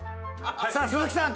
さあ鈴木さん